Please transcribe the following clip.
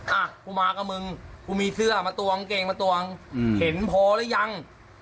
อ่ะกูมากับมึงกูมีเสื้อมาตวงกางเกงมาตวงเห็นพอหรือยัง